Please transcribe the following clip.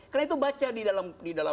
karena itu baca di dalam